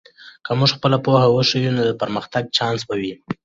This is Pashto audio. که موږ خپله پوهه وښیو، نو د پرمختګ چانس به وي.